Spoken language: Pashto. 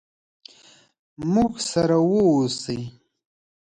موږ سره ووسئ.